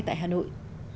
tại hà nội